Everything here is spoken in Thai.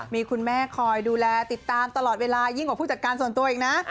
มีคุณแม่คอยดูแลติดตามตลอดเวลายิ่งกว่าผู้จัดการส่วนตัวอีกนะ